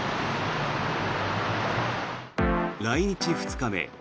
来日２日目。